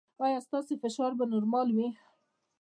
ایا ستاسو فشار به نورمال وي؟